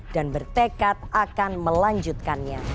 dan bertekad akan melanjutkannya